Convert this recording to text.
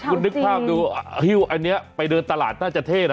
คุณนึกภาพดูฮิ้วอันนี้ไปเดินตลาดน่าจะเท่นะ